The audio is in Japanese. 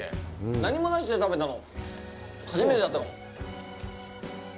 何もなしで食べたの初めてだったの。